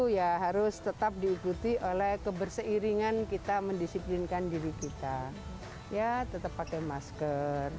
ya harus tetap diikuti oleh keberseiringan kita mendisiplinkan diri kita ya tetap pakai masker